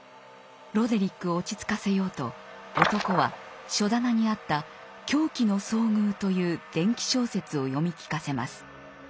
ロデリックを落ち着かせようと男は書棚にあった「狂気の遭遇」という伝奇小説を読み聞かせます。